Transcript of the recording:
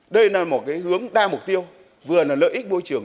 đây là một hướng đa mục tiêu vừa là lợi ích vô trường